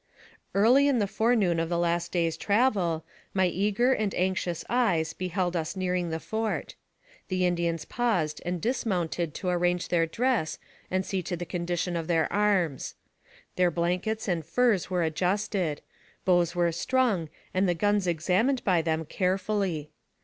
Early in the forenoon of the last day's travel, my eager and anxious eyes beheld us nearing the fort. The Indians paused and dismounted to arrange their dress and see to the condition of their arms. Their blankets and furs were adjusted; bows were strung, and the guns examined by them, carefully.